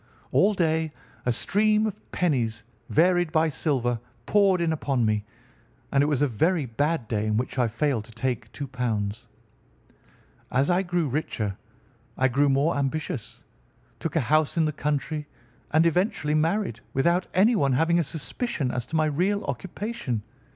All day a stream of pennies, varied by silver, poured in upon me, and it was a very bad day in which I failed to take £ 2. "As I grew richer I grew more ambitious, took a house in the country, and eventually married, without anyone having a suspicion as to my real occupation.